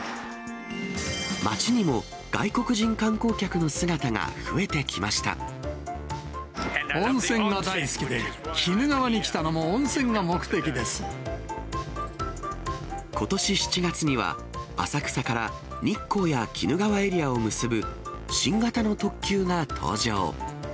街にも外国人観光客の姿が増温泉が大好きで、鬼怒川に来ことし７月には、浅草から日光や鬼怒川エリアを結ぶ新型の特急が登場。